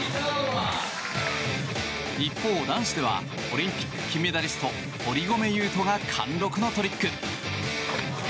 一方、男子ではオリンピック金メダリスト堀米雄斗が貫禄のトリック。